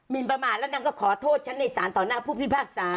นประมาทแล้วนางก็ขอโทษฉันในสารต่อหน้าผู้พิพากษา